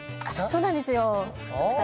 そうなんですよ。